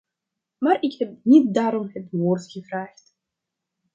Maar ik heb niet daarom het woord gevraagd.